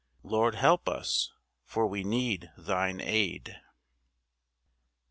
Lord help us, for we need Thine aid!